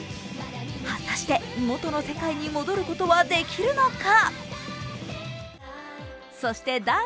果たして元の世界に戻ることはできるのか？